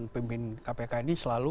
pimpin kpk ini selalu